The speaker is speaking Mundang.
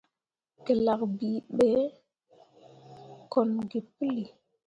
Gǝlak bii ɓo kon gi puli.